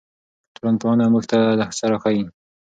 ټولنپوهنه موږ ته څه راښيي؟